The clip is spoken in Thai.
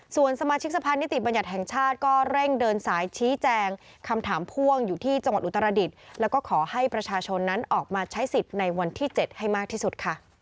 ส่วนสมาชิกสภานนิติบัญญัติแห่งชาติก็เร่งเดินสายชี้แจงคำถามพ่วงอยู่ที่จังหวัดอุตรดิษฐ์